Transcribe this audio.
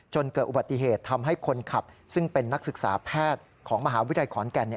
เกิดอุบัติเหตุทำให้คนขับซึ่งเป็นนักศึกษาแพทย์ของมหาวิทยาลัยขอนแก่น